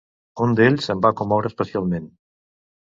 Un d'ells em va commoure especialment.